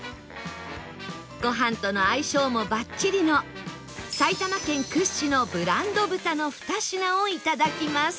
ご飯との相性もバッチリの埼玉県屈指のブランド豚の２品をいただきます